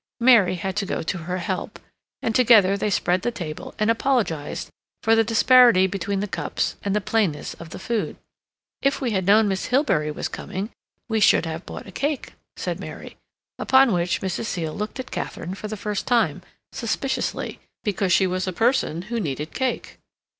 Mary had to go to her help, and together they spread the table, and apologized for the disparity between the cups and the plainness of the food. "If we had known Miss Hilbery was coming, we should have bought a cake," said Mary, upon which Mrs. Seal looked at Katharine for the first time, suspiciously, because she was a person who needed cake.